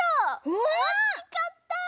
おしかった！